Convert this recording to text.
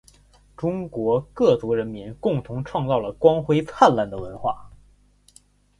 中国各族人民共同创造了光辉灿烂的文化